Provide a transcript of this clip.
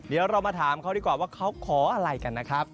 เดี๋ยวเรามาถามเขาดีกว่าว่าเขาขออะไรกันนะครับ